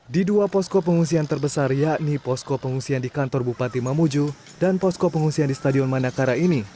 di dua posko pengungsian terbesar yakni posko pengungsian di kantor bupati mamuju dan posko pengungsian di stadion manakara ini